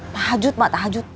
tahajud mak tahajud